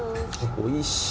おいしい。